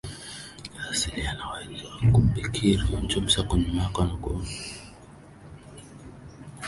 ya asili yanaweza kubaki siri kutoka kwa maoni ya